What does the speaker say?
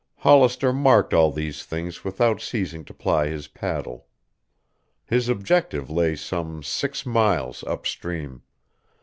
Hollister marked all these things without ceasing to ply his paddle. His objective lay some six miles up stream.